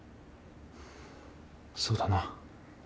そうだな。